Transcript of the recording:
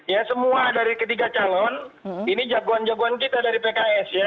ya semua dari ketiga calon ini jagoan jagoan kita dari pks ya